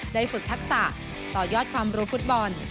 ฝึกทักษะต่อยอดความรู้ฟุตบอล